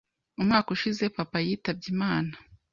Umwaka ushize, papa yitabye Imana.